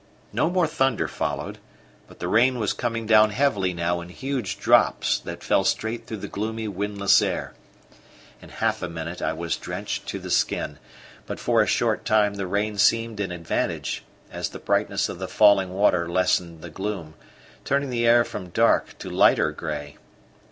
No more thunder followed, but the rain was coming down heavily now in huge drops that fell straight through the gloomy, windless air. In half a minute I was drenched to the skin; but for a short time the rain seemed an advantage, as the brightness of the falling water lessened the gloom, turning the air from dark to lighter grey.